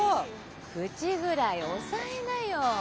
口ぐらい押さえなよ。